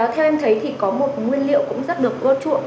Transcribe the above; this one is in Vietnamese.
theo em thấy thì có một nguyên liệu cũng rất được ưa chuộng